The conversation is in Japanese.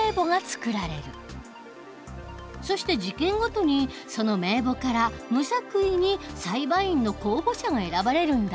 そして事件ごとにその名簿から無作為に裁判員の候補者が選ばれるんだ。